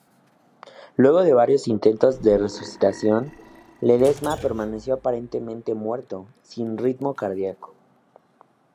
Luego de varios intentos de resucitación, Ledezma permaneció aparentemente muerto, sin ritmo cardiaco.